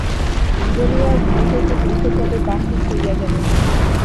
বলিয়া ঘর হইতে দ্রুতপদে বাহির হইয়া গেলেন।